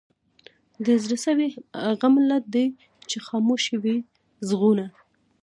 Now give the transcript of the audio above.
د زړه سوي هغه ملت دی چي خاموش یې وي ږغونه